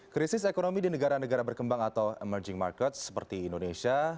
krisis ekonomi di negara negara berkembang atau emerging markets seperti indonesia